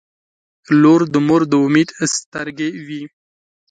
• لور د مور د امید سترګې وي.